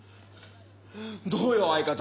どうよ相方。